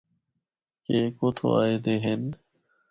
کہ اے کُتھو آئے دے ہن۔